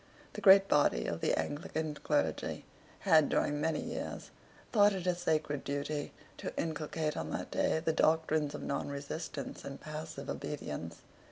The great body of the Anglican clergy had, during many years, thought it a sacred duty to inculcate on that day the doctrines of nonresistance and passive obedience.